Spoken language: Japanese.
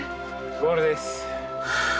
ゴールです。